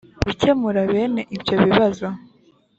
gukemura bene ibyo bibazo